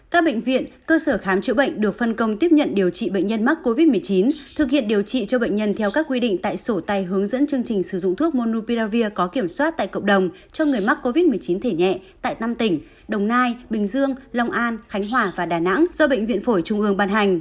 các bệnh viện cơ sở khám chữa bệnh được phân công tiếp nhận điều trị bệnh nhân mắc covid một mươi chín thực hiện điều trị cho bệnh nhân theo các quy định tại sổ tay hướng dẫn chương trình sử dụng thuốc monupiravir có kiểm soát tại cộng đồng cho người mắc covid một mươi chín thể nhẹ tại năm tỉnh đồng nai bình dương long an khánh hòa và đà nẵng do bệnh viện phổi trung ương ban hành